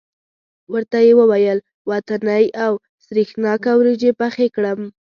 ورته یې وویل وطنۍ او سرېښناکه وریجې پخې کړم.